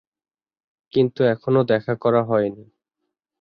কিন্তু এখনো দেখা করা হয়নি।